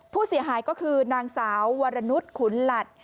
ผู้เสียหายก็คือนางสาววรนุษย์ขุนหลัด